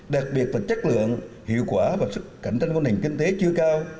đặc biệt là chất lượng hiệu quả và sức cạnh tranh của nền kinh tế chưa cao